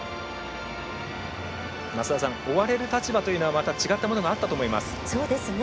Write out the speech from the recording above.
増田さん追われる立場というのはまた違ったものがあったと思います。